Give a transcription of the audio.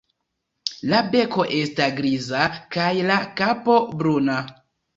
La beko esta griza kaj la kapo bruna.